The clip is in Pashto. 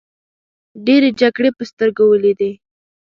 ډیرې جګړې په سترګو ولیدې.